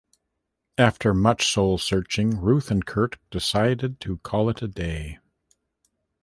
After much soul- searching, Ruth and Kurt decided to call it a day.